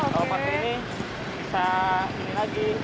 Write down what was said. kalau pakai ini bisa ini lagi